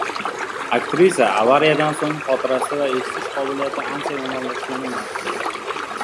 Aktrisa avariyadan so‘ng xotirasi va eshitish qobiliyati ancha yomonlashganini aytadi